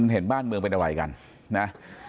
เห็นบ้านเมืองเป็นอะไรกันนะ